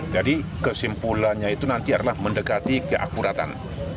jadi kesimpulannya itu nanti adalah mendekati keakuratan